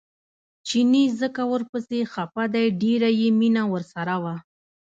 چیني ځکه ورپسې خپه دی ډېره یې مینه ورسره وه.